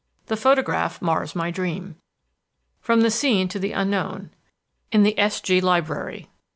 The photograph mars my dream. "From the seen to the unknown. In the S. G. library.